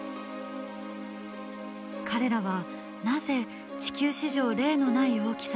彼らはなぜ地球史上例のない大きさに成長できたのか？